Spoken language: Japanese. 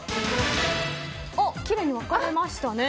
きれいに分かれましたね。